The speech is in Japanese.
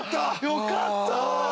よかった。